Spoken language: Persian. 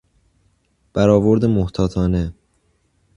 برآورد محتاطانه